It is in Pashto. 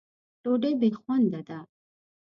ډوډۍ بې خونده ده.